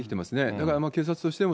だから警察としても、